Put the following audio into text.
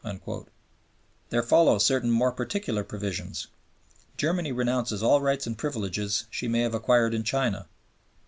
" There follow certain more particular provisions. Germany renounces all rights and privileges she may have acquired in China.